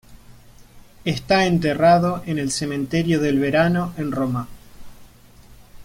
Está enterrado en el Cementerio del Verano en Roma.